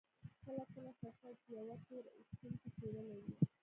کله کله فرصت يوه تېر ايستونکې څېره لري.